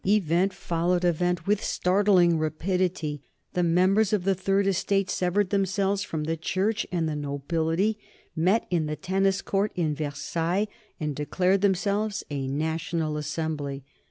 Event followed event with startling rapidity. The members of the Third Estate severed themselves from the Church and the Nobility, met in the Tennis Court in Versailles, and declared themselves a National Assembly.